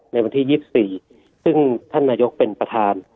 ในวันที่๒๔ซึ่งท่านนายกเป็นประธาน